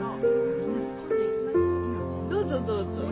どうぞどうぞ。